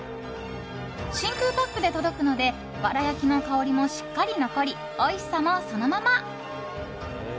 真空パックで届くのでわら焼きの香りもしっかり残りおいしさもそのまま。